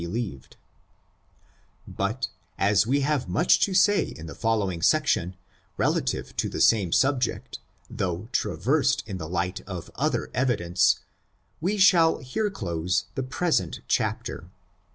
46 ORIGIN, CHARACTER, AND But as we have much to say in the following sec tion, relative to the same subject, though traversed in the light of other evidence, we shall here close the present chapter.